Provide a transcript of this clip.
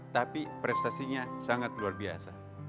tapi prestasinya sangat luar biasa